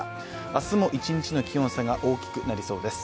明日も一日の気温差が大きくなりそうです。